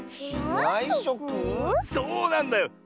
そうなんだよ。